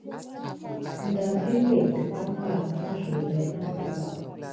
Məɗam héhélèk barbar té naku lukudi.